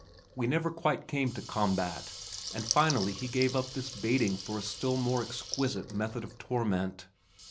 We never quite came to combat, and finally he gave up this baiting for a still more exquisite method of torment.